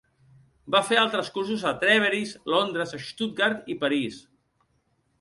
Va fer altres cursos a Trèveris, Londres, Stuttgart i París.